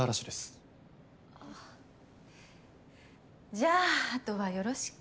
じゃあ後はよろしく。